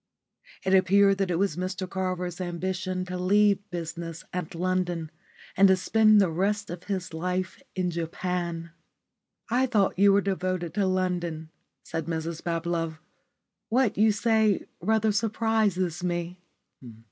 It appeared that it was Mr Carver's ambition to leave business and London and to spend the rest of his life in Japan. "I thought you were devoted to London," said Mrs Bablove. "What you say rather surprises me."